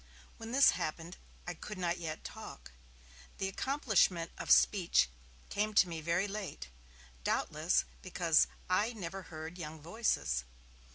When this happened I could not yet talk. The accomplishment of speech came to me very late, doubtless because I never heard young voices.